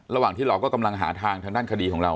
ระหว่างที่เราก็กำลังหาทางทางด้านคดีของเรา